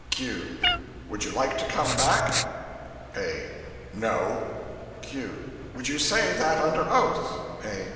Q. Would you like to come back? A. No. Q. Would you say that under oath? A.